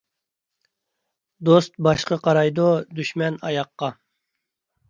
دوست باشقا قارايدۇ، دۈشمەن ئاياققا.